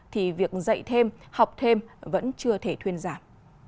thì việc dạy thêm học thêm vẫn chưa thể thuyên giảm